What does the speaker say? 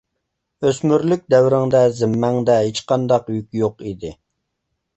ئۆسمۈرلۈك دەۋرىڭدە زىممەڭدە ھېچقانداق يۈك يوق ئىدى.